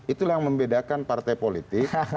itulah yang membedakan partai politik